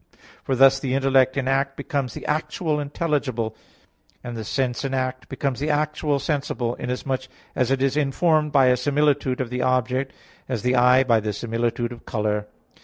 For thus the intellect in act becomes the actual intelligible, and the sense in act becomes the actual sensible, inasmuch as it is informed by a similitude of the object, as the eye by the similitude of color.